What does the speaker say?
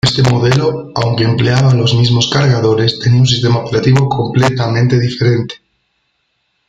Este modelo, aunque empleaba los mismos cargadores, tenía un sistema operativo completamente diferente.